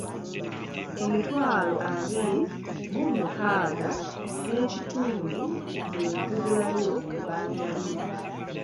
Emitwalo abiri mu mukaaaga n’ekitundu ze zibulayo ku bbanja lyo.